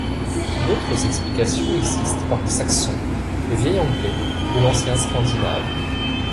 D'autres explications existent par le saxon, le vieil anglais ou l'ancien scandinave.